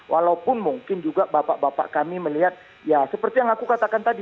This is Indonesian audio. walaupun mungkin juga bapak bapak kami melihat ya seperti yang aku katakan tadi